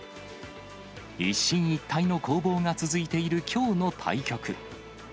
一進一退の攻防が続いているきょうの対局。